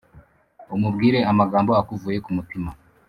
umubwire amagambo akuvuye ku mutima